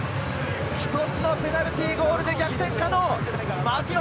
１つのペナルティーゴールで逆転可能。